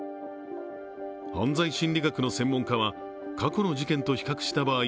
犯罪心理学の専門家は過去の事件と比較した場合